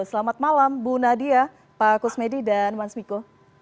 selamat malam bu nadia pak kusmedi dan mas miko